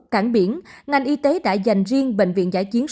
cảng biển ngành y tế đã dành riêng bệnh viện giải chiến số một mươi hai